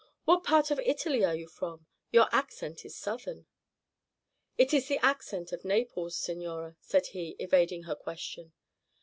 "What part of Italy are you from? Your accent is Southern." "It is the accent of Naples, signora," said he, evading her question.